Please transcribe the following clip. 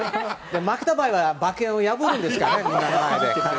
負けた場合は馬券を破るんですかね。